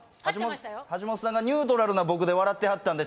橋本さんがニュートラルな僕で笑ってはったんで。